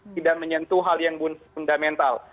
tidak menyentuh hal yang fundamental